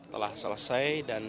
telah selesai dan